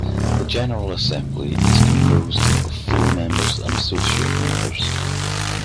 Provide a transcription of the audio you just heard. The General Assembly is composed of full members and associate members.